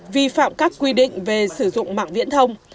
vi phạm các quy định về sử dụng mạng viễn thông